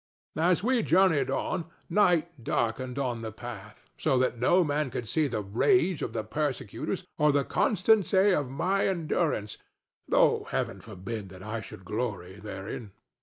"As we journeyed on night darkened on our path, so that no man could see the rage of the persecutors or the constancy of my endurance, though Heaven forbid that I should glory therein.